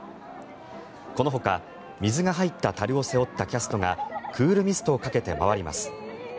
このほか、水が入ったたるを背負ったキャストがクールミストをかけて回ります。